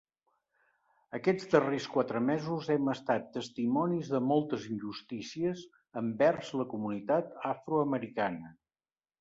Aquests darrers quatre mesos hem estat testimonis de moltes injustícies envers la comunitat afroamericana.